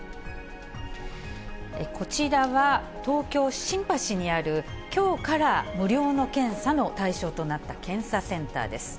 こちらは東京・新橋にある、きょうから無料の検査の対象となった検査センターです。